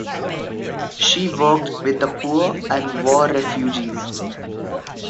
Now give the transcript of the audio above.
She worked with the poor and war refugees.